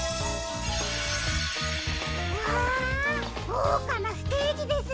うわごうかなステージですね。